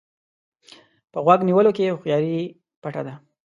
په غوږ نیولو کې هوښياري پټه ده.